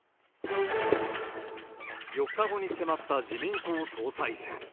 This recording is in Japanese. ４日後に迫った自民党総裁選。